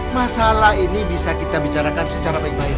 masalah ini bisa kita bicarakan secara baik baik